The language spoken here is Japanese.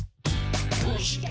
「どうして？